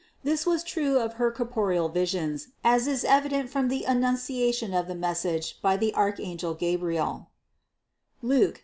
This was true of her corporeal visions, as is evident from the Annunciation of the message by the archangel Gabriel (Luc.